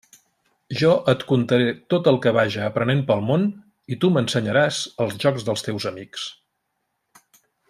Jo et contaré tot el que vaja aprenent pel món i tu m'ensenyaràs els jocs dels teus amics.